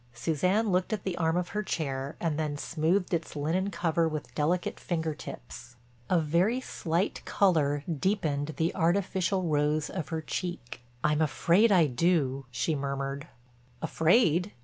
Suzanne looked at the arm of her chair and then smoothed its linen cover with delicate finger tips. A very slight color deepened the artificial rose of her cheek. "I'm afraid I do," she murmured. "Afraid?"